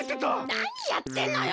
なにやってんのよ！